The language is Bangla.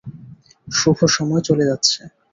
শুভ সময় চলে যাচ্ছে।